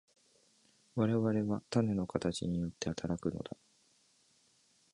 我々は種の形によって働くのである。